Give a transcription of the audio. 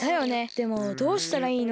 でもどうしたらいいのか。